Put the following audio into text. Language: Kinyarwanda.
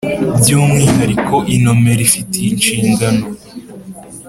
By umwihariko inmr ifite inshingano